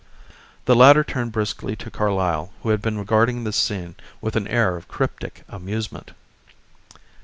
The latter turned briskly to Carlyle, who had been regarding this scene with an air of cryptic amusement.